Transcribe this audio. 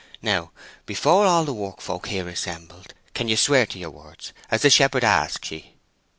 Now, before all the work folk here assembled, can you swear to your words as the shepherd asks ye?"